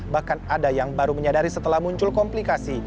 bahkan ada yang baru menyadari setelah muncul komplikasi